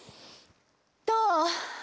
どう？